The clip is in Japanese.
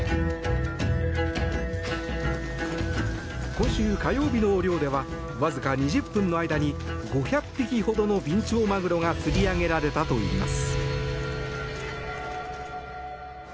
今週火曜日の漁ではわずか２０分の間に５００匹ほどのビンチョウマグロがつり上げられたといいます。